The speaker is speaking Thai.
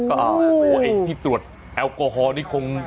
โอ้โหไอ้ที่ตรวจแอลกอฮอลนี่คง